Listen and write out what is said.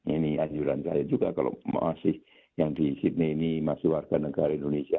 ini anjuran saya juga kalau masih yang di sydney ini masih warga negara indonesia